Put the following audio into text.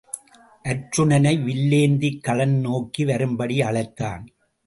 அர்ச்சுனனை வில்லேந்திக் களம் நோக்கி வரும்படி அழைத்தான்.